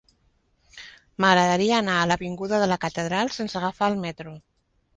M'agradaria anar a l'avinguda de la Catedral sense agafar el metro.